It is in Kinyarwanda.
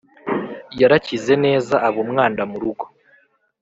yarakize neza abumwana murugo,